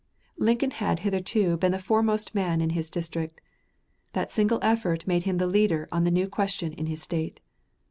Lincoln had hitherto been the foremost man in his district. That single effort made him the leader on the new question in his State.